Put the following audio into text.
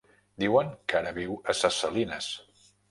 Diuen que ara viu a Ses Salines.